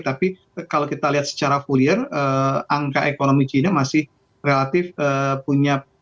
tapi kalau kita lihat secara full year angka ekonomi china masih relatif punya